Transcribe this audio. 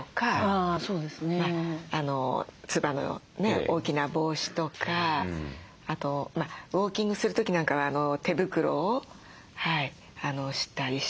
あそうですね。つばのね大きな帽子とかあとウォーキングする時なんかは手袋をしたりしてます。